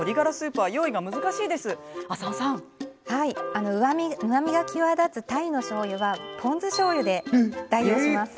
はい、うまみが際立つタイのしょうゆはポン酢しょうゆで代用します。